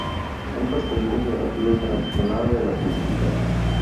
Son perseguidos y abatidos en la Explanada de las Mezquitas.